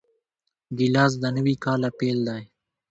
ګیلاس د نوي کاله پیل دی.